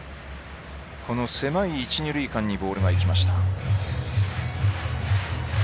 狭い一、二塁間にボールがいきました。